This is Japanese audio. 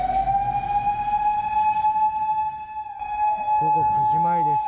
午後９時前です。